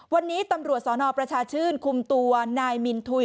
วันนี้ตำรวจสนประชาชื่นคุมตัวนายมินทุย